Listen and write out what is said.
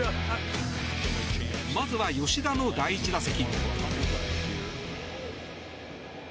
まずは吉田の第１打席。